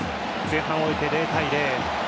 前半を終えて０対０。